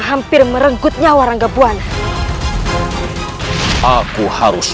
sebelum mereka membuat kedua raund